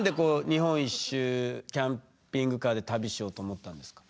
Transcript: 日本一周キャンピングカーで旅しようと思ったんですか？